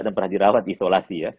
dan pernah dirawat di isolasi ya